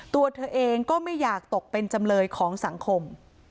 ตัวเธอเองก็ไม่อยากตกเป็นจำเลยของสังคม